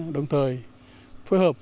đồng thời phối hợp